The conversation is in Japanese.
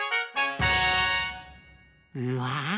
うわ！